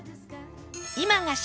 今が旬！